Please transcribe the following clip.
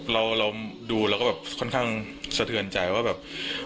เราดูแล้วก็แบบค่อนข้างสะเทือนใจว่าแบบ